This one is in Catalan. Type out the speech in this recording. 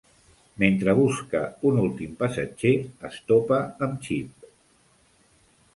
Mentre busca un últim passatger, es topa amb Chip.